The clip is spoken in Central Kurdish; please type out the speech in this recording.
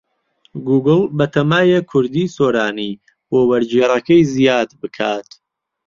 گووگڵ بەتەمایە کوردیی سۆرانی بۆ وەرگێڕەکەی زیاد بکات.